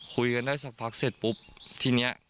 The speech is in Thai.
คุยกันได้สักพักเสร็จปุ๊บทีนี้